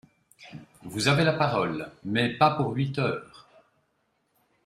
Vous avez la parole, mais pas pour huit heures